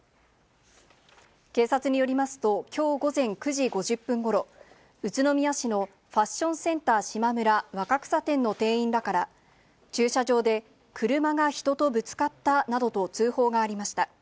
警察によりますと、きょう午前９時５０分ごろ、宇都宮市のファッションセンターしまむら若草店の店員らから、駐車場で車が人とぶつかったなどと通報がありました。